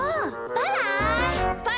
バイバイ！